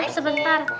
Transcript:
eh bang sebentar